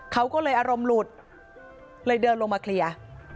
เขาก็เลยอารมณ์หลุดเลยเดินลงมาเคลียร์